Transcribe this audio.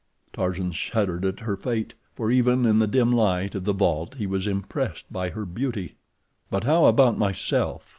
Tarzan shuddered at her fate, for even in the dim light of the vault he was impressed by her beauty. "But how about myself?"